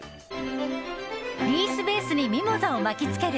リースベースにミモザを巻き付ける。